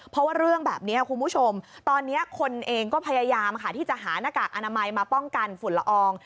เพราะว่าเรื่องแบบนี้คุณผู้ชมตอนนี้คนเองก็พยายามค่ะที่จะหาหน้ากากอนามัยมาป้องกันฝุ่นละออง